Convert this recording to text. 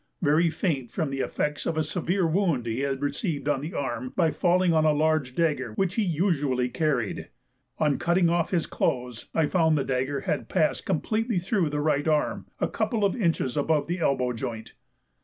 very faint from the effects of a severe wound he had received on the arm by falling on a large dagger which he usually carried. On cutting off his clothes I found that the dagger had passed completely through the right arm a couple of inches above the elbow joint.